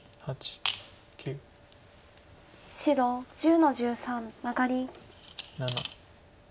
白１０の十三マガリ。